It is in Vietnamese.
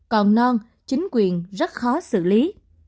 còn non chính quyền rất khó xử lý